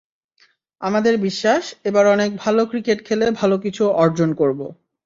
আমাদের বিশ্বাস, এবার অনেক ভালো ক্রিকেট খেলে ভালো কিছু অর্জন করব।